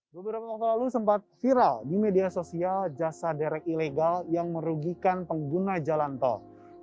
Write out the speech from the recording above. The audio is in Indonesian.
beberapa waktu lalu sempat viral di media sosial jasa derek ilegal yang merugikan pengguna jalan tol